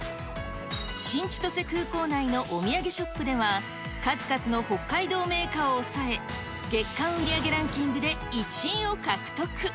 新千歳空港内のお土産ショップでは、数々の北海道銘菓を抑え、月間売上ランキングで１位を獲得。